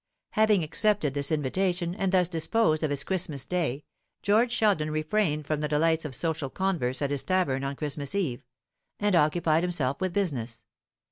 Having accepted this invitation, and thus disposed of his Christmas day, George Sheldon refrained from the delights of social converse at his tavern on Christmas eve, and occupied himself with business.